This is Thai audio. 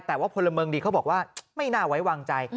แต่ว่าพลเมืองดีเขาบอกว่าไม่น่าไว้วางใจ